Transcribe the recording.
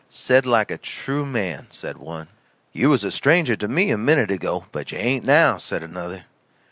"Said like a true man," said one. "You was a stranger to me a minute ago, but you ain't now," said another.